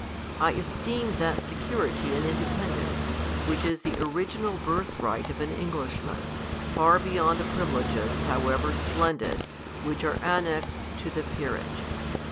I esteem that security and independence, which is the original birthright of an Englishman, far beyond the privileges, however splendid, which are annexed to the peerage.